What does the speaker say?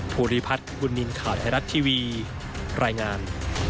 ภูริพัฒน์บุญนินทร์ข่าวไทยรัฐทีวีรายงาน